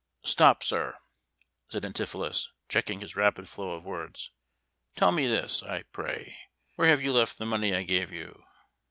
"Stop, sir!" said Antipholus, checking his rapid flow of words. "Tell me this, I pray: where have you left the money I gave you?"